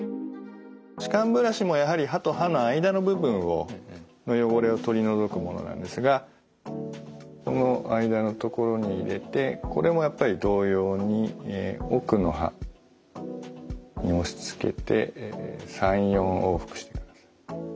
歯間ブラシもやはり歯と歯の間の部分の汚れを取り除くものなんですがこの間の所に入れてこれもやっぱり同様に奥の歯に押しつけて３４往復し。